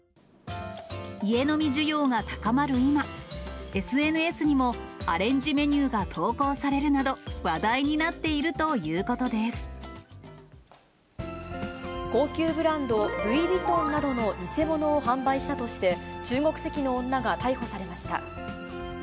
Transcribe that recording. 家飲み需要が高まる今、ＳＮＳにも、アレンジメニューが投稿されるなど、話題になってい高級ブランド、ルイ・ヴィトンなどの偽物を販売したとして、中国籍の女が逮捕されました。